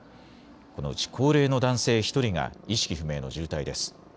このうち高齢の男性１人が意識不明の重体です。